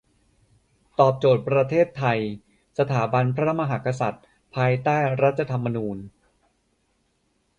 ตอบโจทย์ประเทศไทย สถาบันพระมหากษัตริย์ ภายใต้รัฐธรรมณูญ